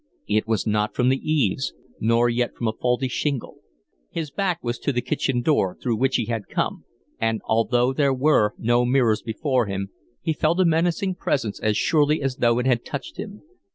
It was not from the eaves, nor yet from a faulty shingle. His back was to the kitchen door, through which he had come, and, although there were no mirrors before him, he felt a menacing presence as surely as though it had touched him.